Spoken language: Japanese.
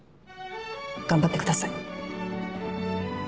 頑張ってください。